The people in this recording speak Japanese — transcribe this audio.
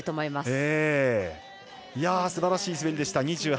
すばらしい滑りでした。